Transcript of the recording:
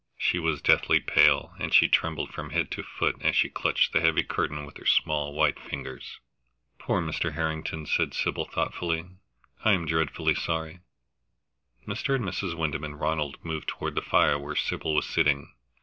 She was deathly pale, and she trembled from head to foot as she clutched the heavy curtain with her small white fingers. "Poor Mr. Harrington!" said Sybil thoughtfully. "I am dreadfully sorry." Mr. and Mrs. Wyndham and Ronald moved toward the fire where Sybil was sitting.